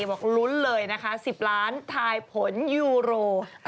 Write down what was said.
บอกลุ้นเลยนะคะ๑๐ล้านถ่ายผลนะ